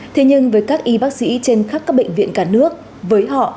thế nhưng với các y bác sĩ trên khắp các bệnh viện cả nước với họ